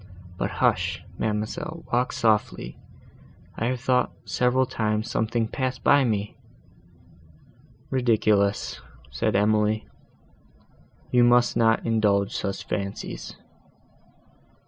But hush! ma'amselle, walk softly! I have thought, several times, something passed by me." "Ridiculous!" said Emily, "you must not indulge such fancies."